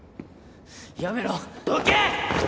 やめろ！どけ！